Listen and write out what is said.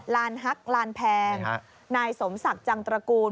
ลานฮักลานแพงนายสมศักดิ์จังตระกูล